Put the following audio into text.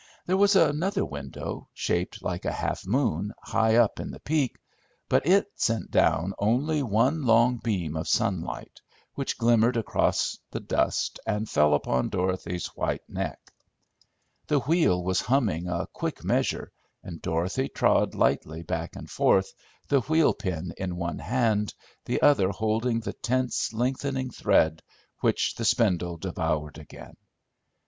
There was another window (shaped like a half moon, high up in the peak), but it sent down only one long beam of sunlight, which glimmered across the dust and fell upon Dorothy's white neck. The wheel was humming a quick measure and Dorothy trod lightly back and forth, the wheel pin in one hand, the other holding the tense, lengthening thread, which the spindle devoured again.